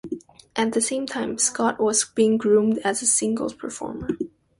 At the same time, Scott was being groomed as a singles performer.